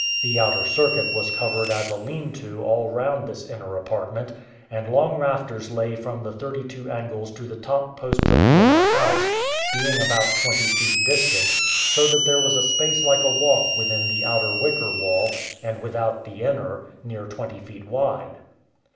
The outer circuit was covered as a lean to all round this inner apartment, and long rafters lay from the thirty two angles to the top posts of the inner house, being about twenty feet distant, so that there was a space like a walk within the outer wicker wall, and without the inner, near twenty feet wide.